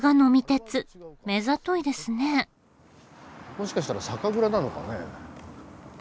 もしかしたら酒蔵なのかね。